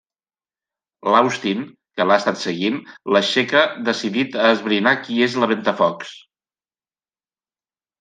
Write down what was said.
L'Austin, que l'ha estat seguint, l'aixeca decidit a esbrinar qui és la Ventafocs.